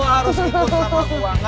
lu harus ikut sama gue